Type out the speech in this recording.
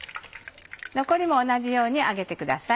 残りも同じように揚げてください。